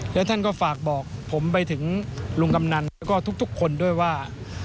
แล้วท่านก็ฝากบอกผมไปถึงลุงกำนันแล้วก็ทุกคนด้วยว่า